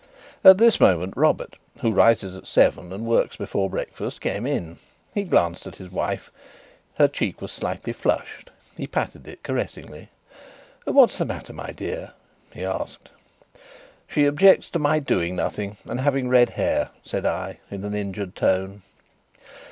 At this moment Robert (who rises at seven and works before breakfast) came in. He glanced at his wife: her cheek was slightly flushed; he patted it caressingly. "What's the matter, my dear?" he asked. "She objects to my doing nothing and having red hair," said I, in an injured tone.